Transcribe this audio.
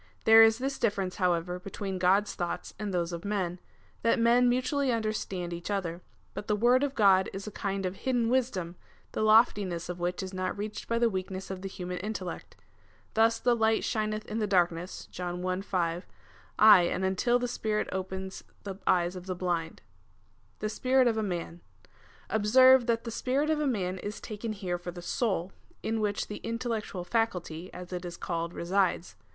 There is this difference, however, between God's thoughts and those of men, that men mutually understand each other ; but the word of God is a kind of hidden wisdom, the loftiness of which is not reached by the weakness of the human intellect. Thus the light shineth in darkness, (John i. 5,) aye and until the Sj^irit opens the eyes of the blind. The spirit of a man. Observe, that the spirit of a man is taken here for the soul, in which the intellectual faculty, as it is called, resides.